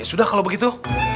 ya sudah kalau begitu